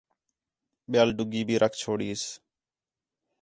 ٻِیال ݙُڳّی بھی رکھ چھوڑیس